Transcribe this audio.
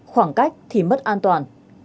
khoảng cách thì mất an toàn